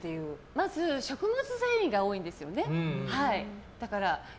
まず食物繊維が多いんですよね。